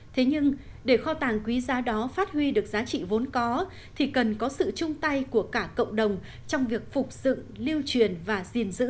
thế nhưng để kho tàng quý giá đó phát huy được giá trị vốn có thì cần có sự chung tay của cả cộng đồng trong việc phục dựng lưu truyền và gìn giữ